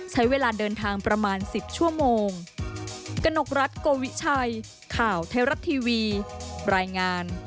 ใช้เวลาเดินทางประมาณ๑๐ชั่วโมง